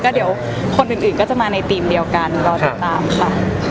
เดี๋ยวคนอื่นก็จะมาในทีมเดียวกันรอติดตามค่ะ